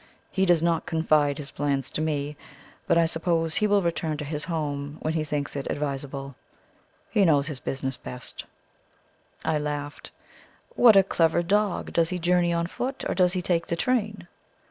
He does not confide his plans to me, but I suppose he will return to his home when he thinks it advisable. He knows his own business best." I laughed. "What a clever dog! Does he journey on foot, or does he take the train?"